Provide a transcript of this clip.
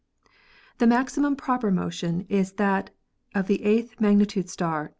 The maximum proper motion is that of the eighth mag nitude star No.